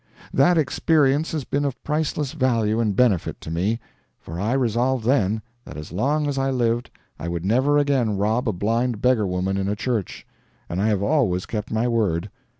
That experience has been of priceless value and benefit to me; for I resolved then, that as long as I lived I would never again rob a blind beggar woman in a church; and I have always kept my word.